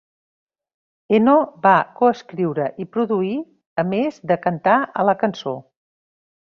Eno va co-escriure i produir, a més de cantar a la cançó.